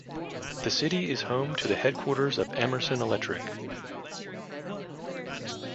The city is home to the headquarters of Emerson Electric.